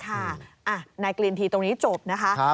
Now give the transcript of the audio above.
นายกลีนทีตรงนี้จบนะคะ